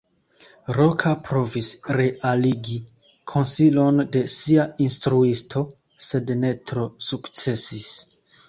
Roka provis realigi konsilon de sia instruisto, sed ne tro sukcesis.